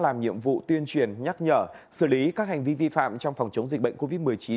làm nhiệm vụ tuyên truyền nhắc nhở xử lý các hành vi vi phạm trong phòng chống dịch bệnh covid một mươi chín